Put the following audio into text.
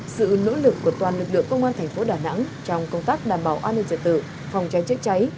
sự nỗ lực của toàn lực lượng công an thành phố đà nẵng trong công tác đảm bảo an ninh trật tự phòng cháy chữa cháy